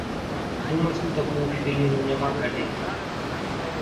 Думаць у такую хвіліну няма калі.